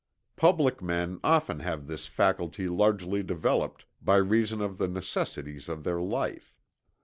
Public men often have this faculty largely developed by reason of the necessities of their life.